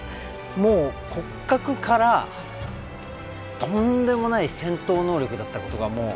もう骨格からとんでもない戦闘能力だったことがもう丸分かり。